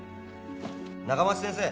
仲町先生